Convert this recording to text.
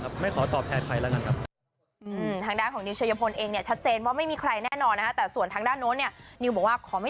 ใครจะผ่านมือที่สาม